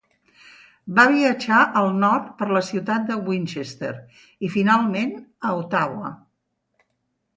Va viatjar al nord per la ciutat de Winchester i, finalment, a Ottawa.